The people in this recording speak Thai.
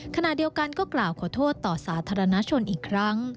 ขณะเดียวกันก็กล่าวขอโทษต่อสาธารณชนอีกครั้ง